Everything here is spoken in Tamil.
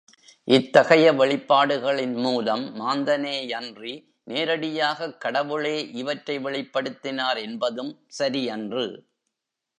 இத்தகைய வெளிப்பாடுகளின்மூலம் மாந்தனேயன்றி, நேரடியாகக் கடவுளே இவற்றை வெளிப்படுத்தினார் என்பதும் சரியன்று.